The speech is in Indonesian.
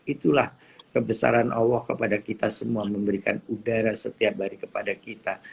itulah kebesaran allah kepada kita semua memberikan udara setiap hari kepada kita